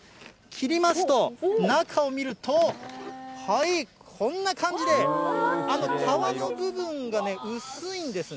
切りますと、中を見ると、こんな感じで、皮の部分がね、薄いんです。